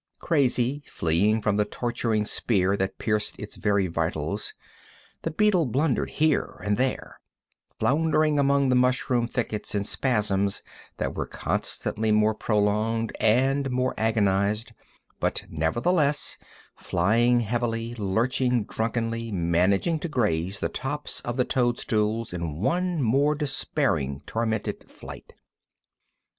Crazy, fleeing from the torturing spear that pierced its very vitals, the beetle blundered here and there, floundering among the mushroom thickets in spasms that were constantly more prolonged and more agonized, but nevertheless flying heavily, lurching drunkenly, managing to graze the tops of the toadstools in one more despairing, tormented flight.